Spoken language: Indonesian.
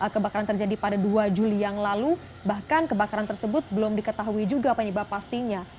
kebakaran terjadi pada dua juli yang lalu bahkan kebakaran tersebut belum diketahui juga penyebab pastinya